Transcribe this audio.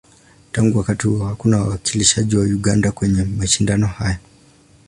Tangu wakati huo, hakuna wawakilishi wa Uganda kwenye mashindano haya.